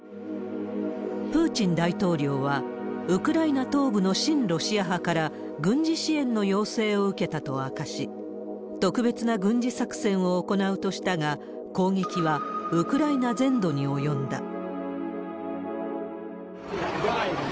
プーチン大統領は、ウクライナ東部の親ロシア派から、軍事支援の要請を受けたと明かし、特別な軍事作戦を行うとしたが、攻撃はウクライナ全土に及んだ。